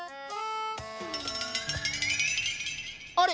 あれ？